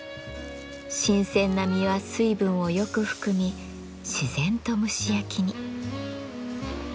新鮮な身は水分をよく含み自然と蒸し焼きに。